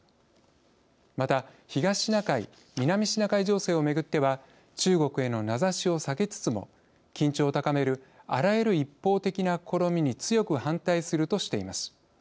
また東シナ海・南シナ海情勢をめぐっては中国への名指しを避けつつも緊張を高めるあらゆる一方的な試みに強く反対するとしています。